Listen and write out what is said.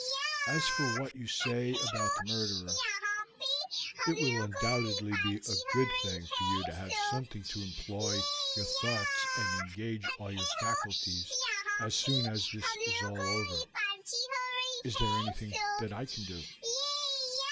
As for what you say about the murderer, it will undoubtedly be a good thing for you to have something to employ your thoughts and engage all your faculties as soon as this is all over. Is there anything that I can do?"